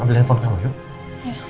ambil handphone kamu yuk